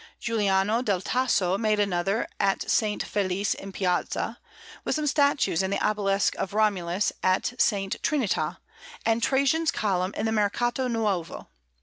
Giuliano del Tasso made another at S. Felice in Piazza, with some statues and the obelisk of Romulus at S. Trinità, and Trajan's Column in the Mercato Nuovo.